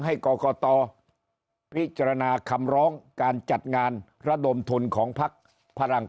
ให้กรกตพิจารณาคำร้องการจัดงานระดมทุนของพักพลัง